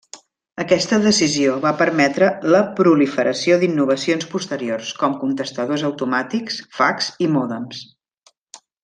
Aquesta decisió va permetre la proliferació d'innovacions posteriors com contestadors automàtics, fax, i mòdems.